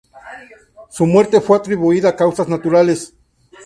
Su muerte fue atribuida a causas naturales.